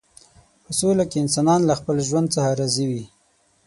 په سوله کې انسانان له خپل ژوند څخه راضي وي.